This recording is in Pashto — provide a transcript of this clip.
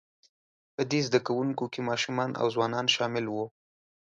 په دې زده کوونکو کې ماشومان او ځوانان شامل وو،